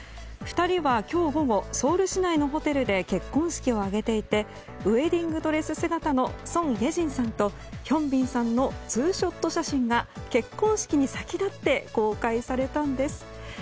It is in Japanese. ２人は今日午後ソウル市内のホテルで結婚式を挙げていてウェディングドレス姿のソン・イェジンさんとヒョンビンさんのツーショット写真が結婚式に先立って公開されたんです。